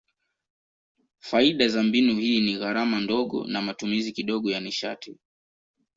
Faida za mbinu hii ni gharama ndogo na matumizi kidogo ya nishati.